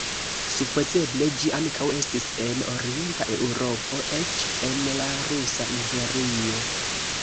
Supozeble ĝi ankaŭ estis en orienta Eŭropo, eĉ en la Rusa Imperio.